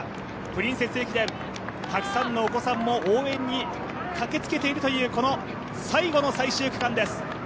プリンセス駅伝、たくさんのお子さんも応援に駆けつけているというこの最後の最終区間です。